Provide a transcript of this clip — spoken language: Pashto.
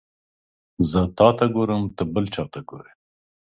زه تاته ګورم ته بل چاته ګوري